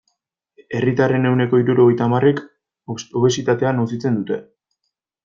Herritarren ehuneko hirurogeita hamarrek obesitatea nozitzen dute.